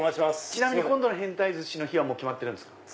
ちなみに今度の変タイ鮨の日は決まってるんですか？